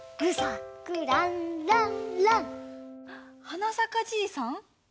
はな咲かじいさん？